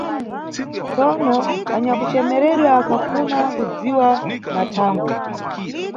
Tsono, anyakucemeredwa akhafuna kudziwa mathangwe.